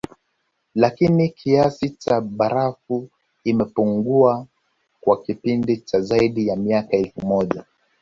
Lakini kiasi cha barafu imepungua kwa kipindi cha zaidi ya miaka elfu moja